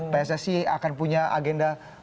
pssi akan punya agenda